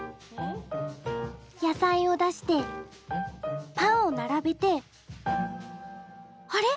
野菜を出してパンを並べてあれ？